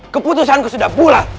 keputusanku sudah pulang